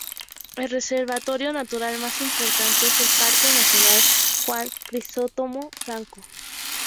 El reservorio natural más importante es el Parque nacional Juan Crisóstomo Falcón.